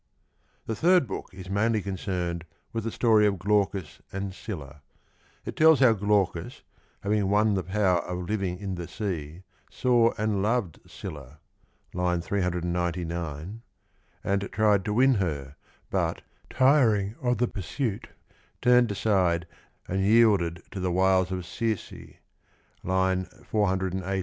g»^«>sftnd The third book is mainly concerned with the story of Glaucus and Scylla. It tells how Glaucus, having won the power of living in the sea, saw and loved Scylla (399)> ^nd tried to win her, but, tiring of the pursuit, turned aside and yielded to the wiles of Circe (418).